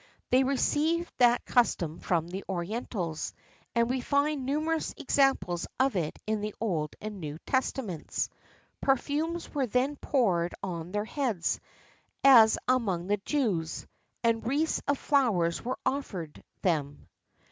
[B][XXXIV 19] They received that custom from the orientals, and we find numerous examples of it in the Old and New Testaments.[XXXIV 20] Perfumes were then poured on their heads,[XXXIV 21] as among the Jews,[XXXIV 22] and wreaths of flowers were offered them.